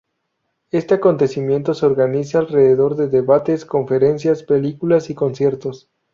Este acontecimiento se organiza alrededor de debates, conferencias, películas y conciertos.